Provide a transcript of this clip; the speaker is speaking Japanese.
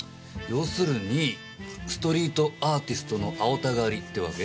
要するにストリートアーティストの青田刈りってわけ？